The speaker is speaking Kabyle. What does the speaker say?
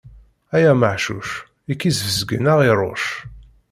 Ay ameɣcuc, i k-isbezgen ad ɣ-iṛuc.